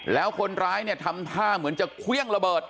แล้วคนร้ายเนี่ยทำท่าเหมือนจะเครื่องระเบิด